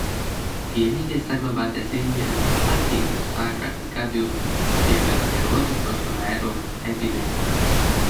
Vienīgais saglabātais izņēmums attieksies uz ārkārtas gadījumiem, piemēram, ja rodas plaša mēroga epidēmija.